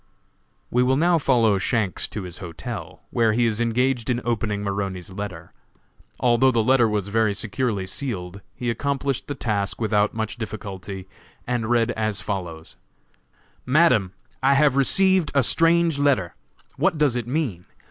We will now follow Shanks to his hotel, where he is engaged in opening Maroney's letter. Although the letter was very securely sealed, he accomplished the task without much difficulty, and read as follows: "MADAM: I have received a strange letter. What does it mean?